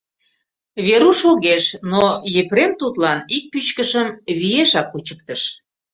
Веруш огеш, но Епрем тудлан ик пӱчкышым виешак кучыктыш.